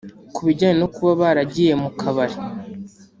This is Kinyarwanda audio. Ku bijyanye no kuba baragiye mu kabari